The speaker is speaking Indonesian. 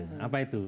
di lahan basah itu